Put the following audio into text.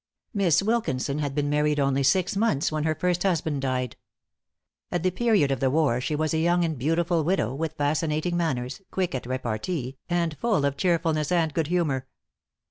Mis. Wilkinson had been married only six months when her first husband died. At the period of the war, she was a young and beautiful widow, with fascinating manners, quick at repartee, and full of cheerfulness and good humor.